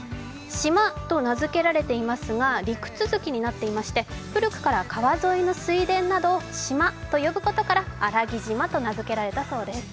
島と名付けられていますが陸続きになっていますが古くから川沿いの水田などを島と呼ぶことからあらぎ島と名付けられたそうです。